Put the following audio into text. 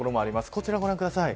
こちらご覧ください。